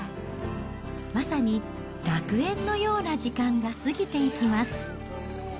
まさに楽園のような時間が過ぎていきます。